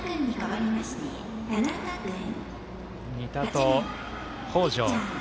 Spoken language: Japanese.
仁田と北條。